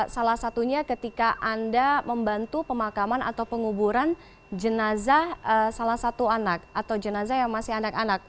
salah satunya ketika anda membantu pemakaman atau penguburan jenazah salah satu anak atau jenazah yang masih anak anak